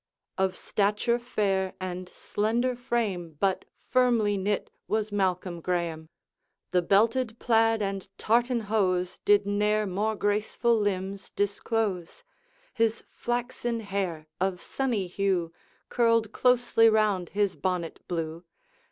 Of stature fair, and slender frame, But firmly knit, was Malcolm Graeme. The belted plaid and tartan hose Did ne'er more graceful limbs disclose; His flaxen hair, of sunny hue, Curled closely round his bonnet blue.